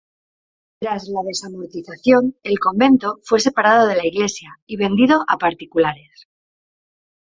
Tras la Desamortización el convento fue separado de la iglesia y vendido a particulares.